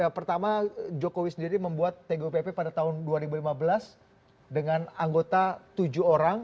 pertama jokowi sendiri membuat tgupp pada tahun dua ribu lima belas dengan anggota tujuh orang